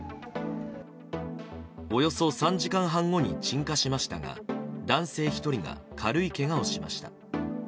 およそ３時間半後に鎮火しましたが男性１人が軽いけがをしました。